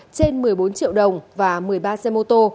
trên một mươi bốn triệu đồng và một mươi ba xe mô tô